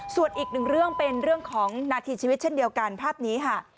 ส่วนอีกหนึ่งเรื่องเป็นเรื่องของนาทีชีวิตเช่นเดียวกันภาพนี้ค่ะ